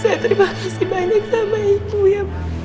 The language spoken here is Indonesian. saya terima kasih banyak sama ibu ya